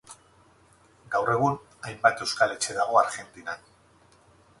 Gaur egun, hainbat euskal etxe dago Argentinan.